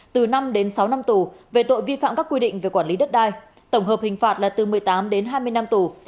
từ năm đến sáu năm tù về tội vi phạm các quy định về quản lý đất đai tổng hợp hình phạt là từ một mươi tám đến hai mươi năm tù